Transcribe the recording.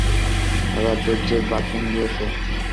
এবার ধৈর্য্যের বাঁধ ভেঙ্গে গেছে।